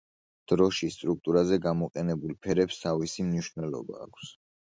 დროშის სტრუქტურაზე გამოყენებულ ფერებს თავისი მნიშვნელობა აქვს.